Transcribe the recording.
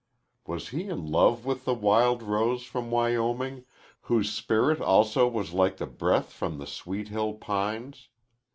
Was he in love with the Wild Rose from Wyoming, whose spirit also was like a breath from the sweet hill pines?